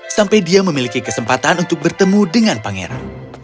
sampai dia memiliki kesempatan untuk bertemu dengan pangeran